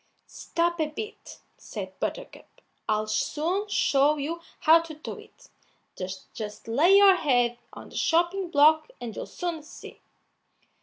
"Stop a bit," said Buttercup; "I'll soon show you how to do it; just lay your head on the chopping block, and you'll soon see."